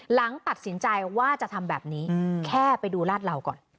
หลังตัดสินใจว่าจะทำแบบนี้แค่ไปดูลาดเหล่าก่อน